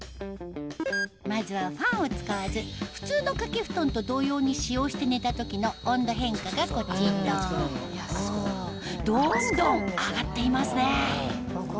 まずはファンを使わず普通の掛けふとんと同様に使用して寝た時の温度変化がこちらどんどん上がっていますね